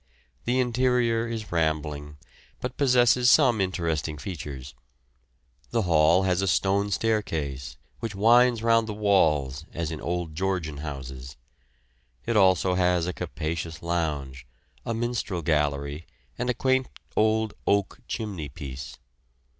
The interior is rambling, but possesses some interesting features. The hall has a stone staircase which winds round the walls as in old Georgian houses. It also has a capacious lounge, a minstrel gallery, and a quaint old oak chimney piece.